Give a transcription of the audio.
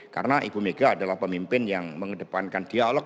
karena ibu mega adalah pemimpin yang mengedepankan dialog